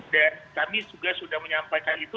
dan kami juga sudah menyampaikan itu